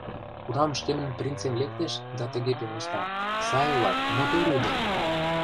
Кунам шкемын принцем лектеш да тыге пелешта: «Сай улат, мотор ӱдыр!